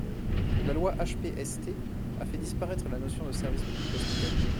La loi HPST a fait disparaître la notion de service public hospitalier.